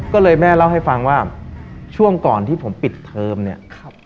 ก็เลยแม่เล่าให้ฟังว่าช่วงก่อนที่ผมปิดเทอมเนี่ย